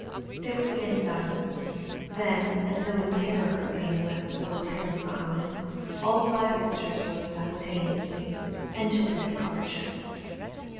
There was again silence; then, as though in terror of being left solitarily behind, all five visitors rose simultaneously, and took their departure.